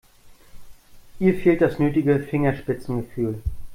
Ihr fehlt das nötige Fingerspitzengefühl.